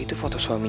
maka dia juga bener